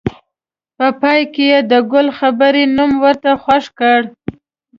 په پای کې یې د ګل خبرې نوم ورته خوښ کړ.